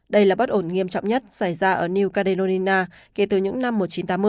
đây là bất ổn nghiêm trọng nhất xảy ra ở new cadenoina kể từ những năm một nghìn chín trăm tám mươi